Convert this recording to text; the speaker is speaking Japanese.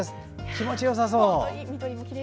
気持ちよさそう。